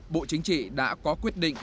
bộ chính trị đã có quyết định